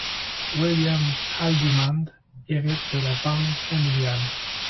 William Haldimand hérite de la banque familiale.